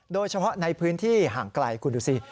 โดยเฉพาะในพื้นที่ห่างไกลคุณดูสิ